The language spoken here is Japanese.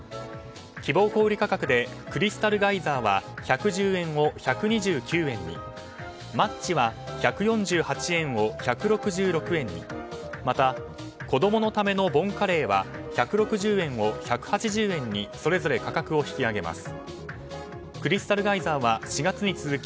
希望小売価格でクリスタルガイザーは１１０円から１２９円にマッチは１４８円を１６６円にまたこどものためのボンカレーは１６０円を１８０円にそれぞれ価格を引き上げます。